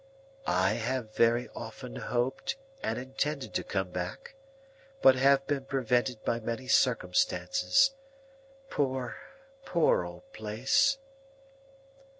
"I have very often hoped and intended to come back, but have been prevented by many circumstances. Poor, poor old place!"